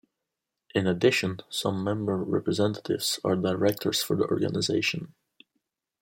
In addition, some Member Representatives are directors for the organization.